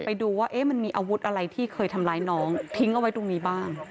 ไปดูว่ามันมีอาวุธอะไรที่เคยทำร้ายน้องทิ้งเอาไว้ตรงนี้บ้าง